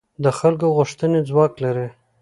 د خلکو غوښتنې ځواک لري